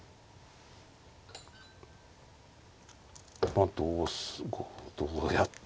まあどうどうやって。